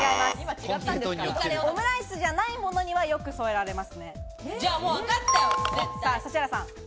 オムライスじゃないものには、よく添えられますね、指原さん。